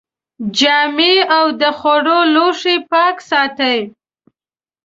جامې او د خوړو لوښي پاک ساتئ.